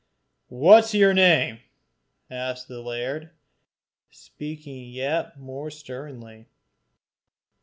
"What is your name?" asked the laird, speaking yet more sternly.